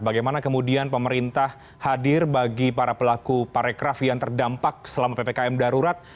bagaimana kemudian pemerintah hadir bagi para pelaku parekraf yang terdampak selama ppkm darurat